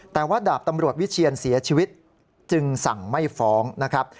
แต่ว่าดาบตำรวจวิเชียนเสียชีวิตจึงสั่งไม่ฟ้องนะครับ